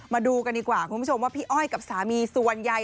มาดูกันดีกว่าคุณผู้ชมว่าพี่อ้อยกับสามีส่วนใหญ่